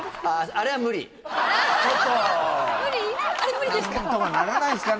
あれ無理ですか？